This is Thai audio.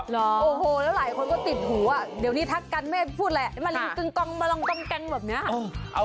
จะบอกว่า